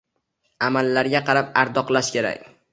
Amallariga qarab ardoqlash kerak.